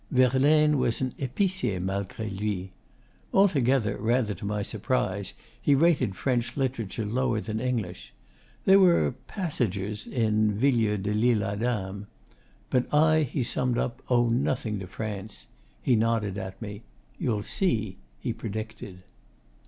Verlaine was 'an epicier malgre lui.' Altogether, rather to my surprise, he rated French literature lower than English. There were 'passages' in Villiers de l'Isle Adam. But 'I,' he summed up, 'owe nothing to France.' He nodded at me. 'You'll see,' he predicted.